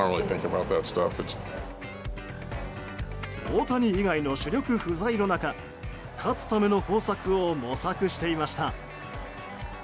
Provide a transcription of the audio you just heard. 大谷以外の主力不在の中勝つための方策を模索していました。